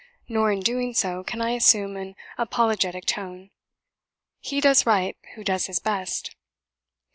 Nor, in doing so, can I assume an apologetic tone. He does right who does his best.